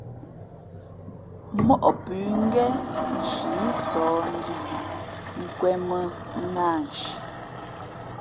Móʼ pʉ̌ ngén nshǐ sǒh ndhī nkwēn mᾱ nāānshi.